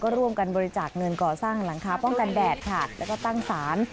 ร่วมกันบริจาคเงินก่อสร้างหลังคาป้องกันแดดค่ะแล้วก็ตั้งศาล